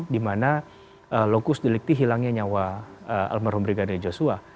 dimana lokus delikti hilangnya nyawa almarhum brigadir joshua